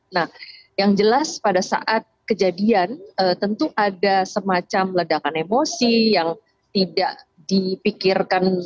nah yang jelas pada saat kejadian tentu ada semacam ledakan emosi yang tidak dipikirkan